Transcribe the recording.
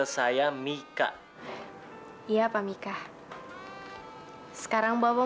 saya melepaskan hot scriptures